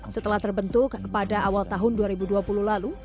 setelah terbentuk pada awal tahun dua ribu dua puluh lalu